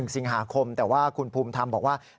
สิงหาคมแต่ว่าคุณภูมิธรรมบอกว่า